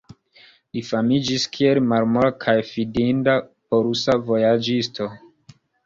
Li famiĝis kiel malmola kaj fidinda polusa vojaĝisto.